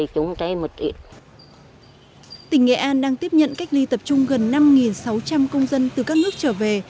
các công dân tập trung gần năm sáu trăm linh công dân từ các nước trở về